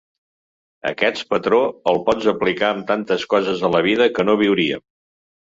Aquest patró, el pots aplicar amb tantes coses a la vida, que no viuríem.